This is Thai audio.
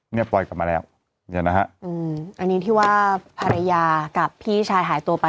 ปล่อยกลับมาแล้วเนี่ยนะฮะอืมอันนี้ที่ว่าภรรยากับพี่ชายหายตัวไป